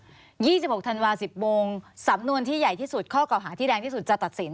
วันที่๒๖ธันวาคมเวลา๑๐โมงสำนวนที่ใหญ่ที่สุดข้อเกราะหาที่แรงที่สุดจะตัดสิน